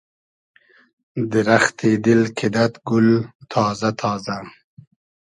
دیرئختی دیل کیدئد گول تازۂ تازۂ